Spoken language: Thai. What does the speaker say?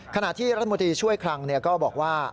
ขณะที่รัฐมนตรีช่วยคลังก็บอกว่า